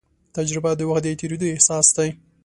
تجربه د وخت د تېرېدو احساس دی.